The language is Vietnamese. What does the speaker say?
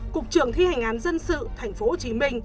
cục trưởng thi hành án dân sự tp hcm